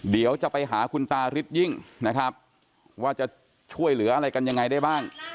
เดี๋ยวจะไปหาคุณตาริดยิ่งนะครับว่าจะช่วยเหลืออะไรกันยังไงได้บ้าง